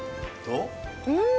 うん！